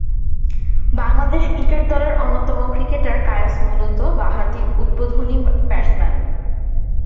Bangladesh cricket দলের অন্যতম cricketer Kayes মূলতঃ বাঁহাতি উদ্বোধনী ব্যাটসম্যান।